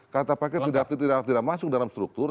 kata pakai tidak masuk dalam struktur